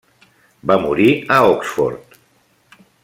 Va morir a Oxford.